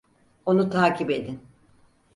Onu takip edin.